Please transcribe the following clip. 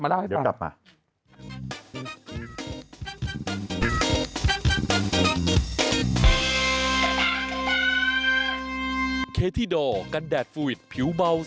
เดี๋ยวกลับมาเล่าให้ป่าว